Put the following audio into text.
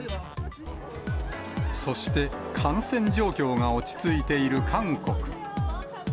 そして、感染状況が落ち着いている韓国。